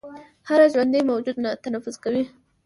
هر ژوندی موجود تنفس کوي